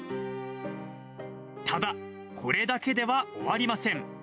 ただ、これだけでは終わりません。